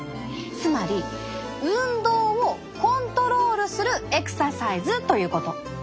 つまり運動をコントロールするエクササイズということ！